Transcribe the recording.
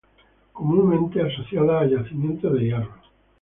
Comúnmente asociada a yacimientos de hierro.